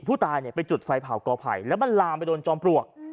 ผู้ตายเนี่ยไปจุดไฟเผากอไผ่แล้วมันลามไปโดนจอมปลวก